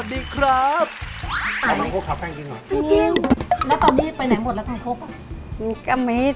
เค้าหก